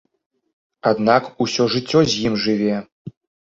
Аднак усё жыццё з ім жыве.